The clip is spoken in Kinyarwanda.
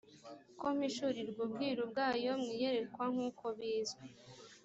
ko mpishurirwa ubwiru bwayo mu iyerekwa nk uko bizwi